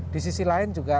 di sisi lain juga